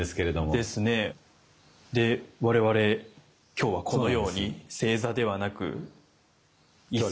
で我々今日はこのように正座ではなく椅子に。